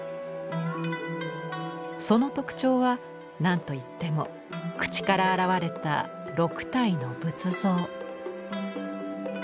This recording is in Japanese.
その特徴は何といっても口から現れた６体の仏像。